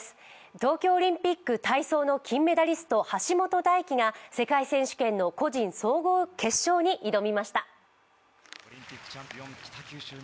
東京オリンピック体操の金メダリスト・橋本大輝が世界選手権の個人総合決勝に挑みました。